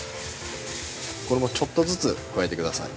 これもちょっとずつ加えてください。